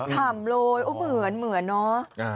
ชำเลยเหมือนเหมือนเนาะ